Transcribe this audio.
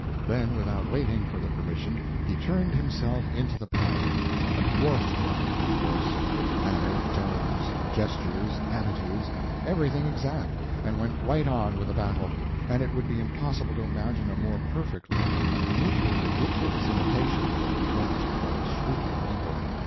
Then without waiting for the permission he turned himself to the Paladin—a dwarfed Paladin, of course—with manner, tones, gestures, attitudes, everything exact, and went right on with the battle, and it would be impossible to imagine a more perfectly and minutely ridiculous imitation than he furnished to those shrieking people.